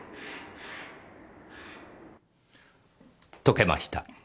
解けました。